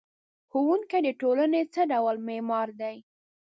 ښوونکی د ټولنې څه ډول معمار دی؟